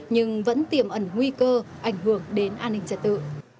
nhưng vẫn tiềm ẩn nguy cơ ảnh hưởng đến an ninh trật tự